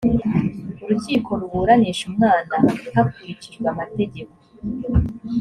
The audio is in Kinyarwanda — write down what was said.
urukiko ruburanisha umwana hakurikijwe amategeko